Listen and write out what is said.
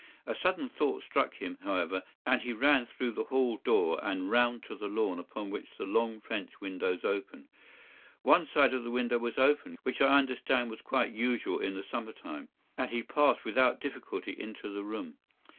A sudden thought struck him, however, and he ran through the hall door and round to the lawn upon which the long French windows open. One side of the window was open, which I understand was quite usual in the summer time, and he passed without difficulty into the room.